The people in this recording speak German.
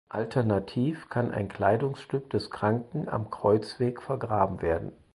Alternativ kann ein Kleidungsstück des Kranken am Kreuzweg vergraben werden.